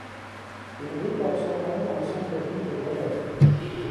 Une rue porte son nom dans le centre-ville de Grenoble.